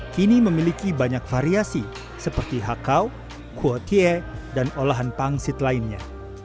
kini memiliki banyak variasi seperti hakau kuotie dan olahan pangsit lainnya